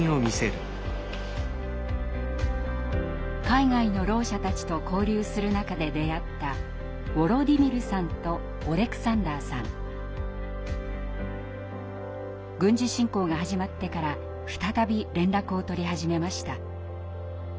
海外のろう者たちと交流する中で出会った軍事侵攻が始まってから再び連絡を取り始めました。